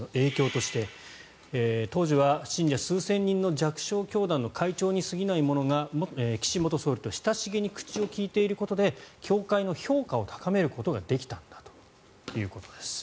更にこの記述の中で久保木さんが岸元総理の記述として当時は信者数千人の弱小教団の会長に過ぎないものが岸元総理と親しげに口を利いていることで教会の評価を高めることができたんだということです。